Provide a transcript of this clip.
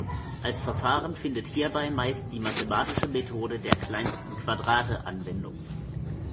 Als Verfahren findet hierbei meist die mathematische Methode der kleinsten Quadrate Anwendung.